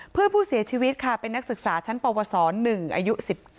เพื่อนผู้เสียชีวิตค่ะเป็นนักศึกษาชั้นปวส๑อายุ๑๙